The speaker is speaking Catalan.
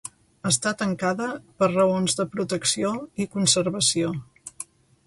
Està tancada per raons de protecció i conservació.